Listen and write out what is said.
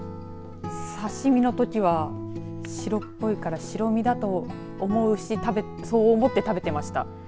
刺し身のときは白っぽいから白身だと思うしそう思って食べていました。